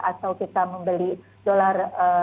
atau kita membeli dolar